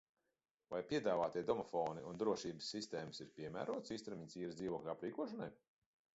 Vai piedāvātie domofoni un drošības sistēmas ir piemērotas īstermiņa īres dzīvokļu aprīkošanai?